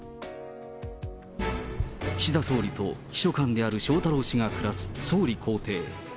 岸田総理と秘書官である翔太郎氏が暮らす総理公邸。